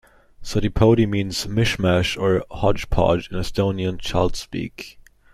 Sodipodi means "mish mash" or "hodgepodge" in Estonian child-speak.